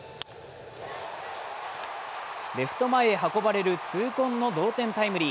レフト前へ運ばれる痛恨の同点タイムリー。